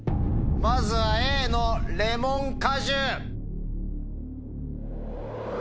まずはＡのレモン果汁。